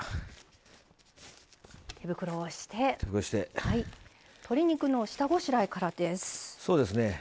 手袋をして鶏肉の下ごしらえからです。